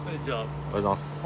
おはようございます。